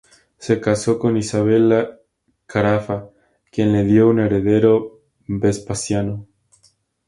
Se casó con Isabella Carafa quien le dio un heredero, Vespasiano.